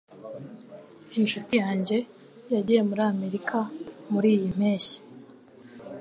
Inshuti yanjye yagiye muri Amerika muriyi mpeshyi.